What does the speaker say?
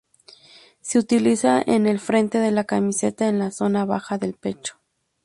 Se utiliza en el frente de la camiseta, en la zona baja del pecho.